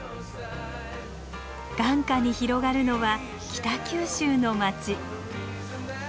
眼下に広がるのは北九州の街。